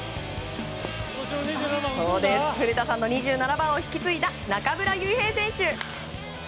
古田さんの２７番を引き継いだ中村悠平選手。